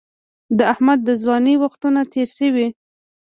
د احمد د ځوانۍ وختونه تېر شوي